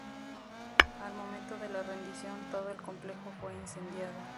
Al momento de la rendición, todo el complejo fue incendiado.